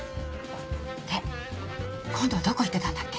で今度はどこ行ってたんだっけ？